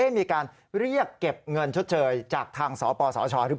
มีการเรียกเก็บเงินชดเจอยจากทางสปสช